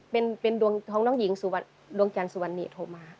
เป็นดวงของน้องหญิงดวงจันทร์สุวรรณีโทรมา